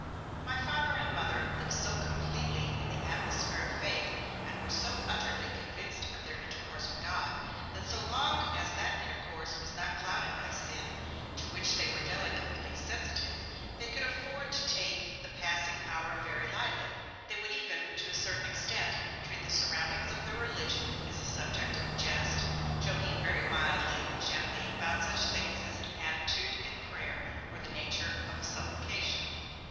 My Father and Mother lived so completely in the atmosphere of faith, and were so utterly convinced of their intercourse with God, that, so long as that intercourse was not clouded by sin, to which they were delicately sensitive, they could afford to take the passing hour very lightly. They would even, to a certain extent, treat the surroundings of their religion as a subject of jest, joking very mildly and gently about such things as an attitude at prayer or the nature of a supplication.